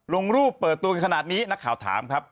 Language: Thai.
ลงรูปเปิดตัวกันขนาดนี้นักข่าวถามครับ